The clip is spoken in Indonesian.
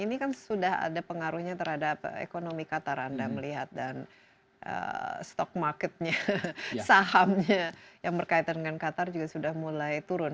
ini kan sudah ada pengaruhnya terhadap ekonomi qatar anda melihat dan stock marketnya sahamnya yang berkaitan dengan qatar juga sudah mulai turun